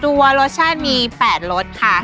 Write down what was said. ตัวรสชาติมี๘รสค่ะ